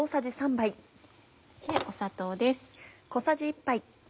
砂糖です。